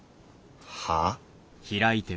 はあ？